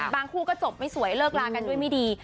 คู่ก็จบไม่สวยเลิกลากันด้วยไม่ดี